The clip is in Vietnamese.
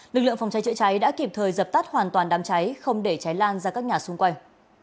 lực lượng phòng cháy chữa cháy đã kịp thời dập tắt hoàn toàn đám cháy không để cháy lan ra các nhà xung quanh